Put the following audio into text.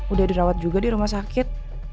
udah dirawat juga di rumah sakit